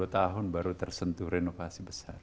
empat puluh dua tahun baru tersentuh renovasi besar